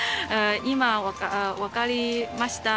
今分かりました。